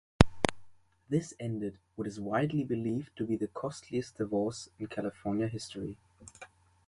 This ended what is widely believed to be the costliest divorce in California history.